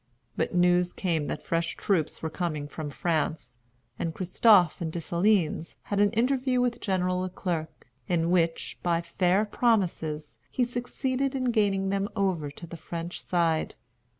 But news came that fresh troops were coming from France, and Christophe and Dessalines had an interview with General Le Clerc, in which, by fair promises, he succeeded in gaining them over to the French side.